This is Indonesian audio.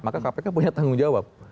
maka kpk punya tanggung jawab